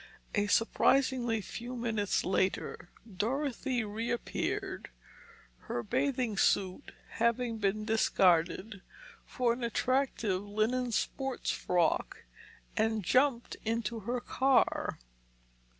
A surprisingly few minutes later, Dorothy reappeared, her bathing suit having been discarded for an attractive linen sports frock, and jumped into her car.